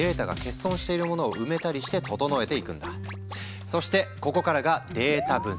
一方でそしてここからがデータ分析。